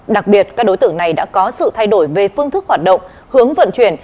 đặc biệt các đối tượng này đã có sự thay đổi về phương thức hoạt động hướng vận chuyển